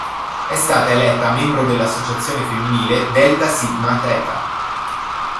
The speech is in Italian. È stata eletta membro dell'associazione femminile Delta Sigma Theta.